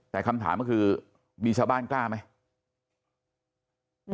แต่คำถามก็คือมีชาวบ้านกล้าไหม